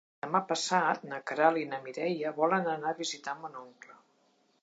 Demà passat na Queralt i na Mireia volen anar a visitar mon oncle.